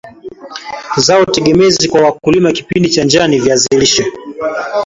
zao tegemezi kwa wakulima kipindi cha njaa ni viazi lishe